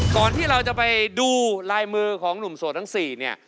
ก่อนที่เราจะไปดูลายมือของหนุ่มโสดทั้ง๔เนี่ย